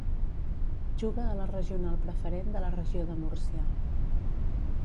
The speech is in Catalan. Juga a la Regional Preferent de la Regió de Múrcia.